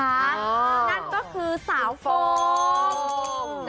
นั่นก็คือสาวโฟม